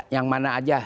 yang mana aja